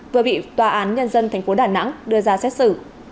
vừa bị tòa án nhân dân tp đà nẵng đưa ra xét xử